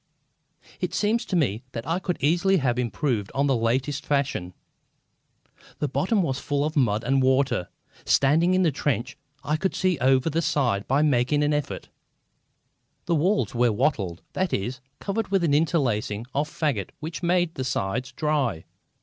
It seemed to me that I could easily have improved on that latest fashion. The bottom was full of mud and water. Standing in the trench, I could see over the side by making an effort. The walls were wattled that is, covered with an interlacing of fagots which made the sides dry.